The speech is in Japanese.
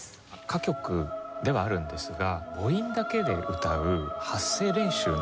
歌曲ではあるんですが母音だけで歌う発声練習の歌なんですね。